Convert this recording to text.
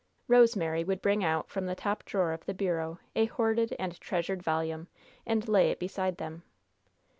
Rosemary would bring out from the top drawer of the bureau a hoarded and treasured volume, and lay it beside them.